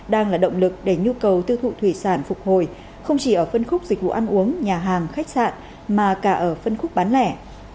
đang là động lực để nhu cầu tiêu thụ thủy sản phục hồi không chỉ ở phân khúc dịch vụ ăn uống nhà hàng khách sạn mà cả ở phân khúc bán lẻ